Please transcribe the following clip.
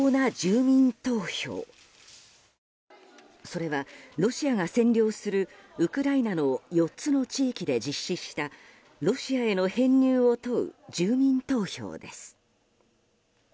それは、ロシアが占領するウクライナの４つの地域で実施したロシアへの編入を問う住民投票です。